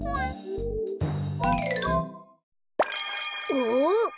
お。